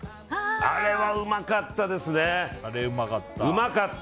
あれはうまかったですね。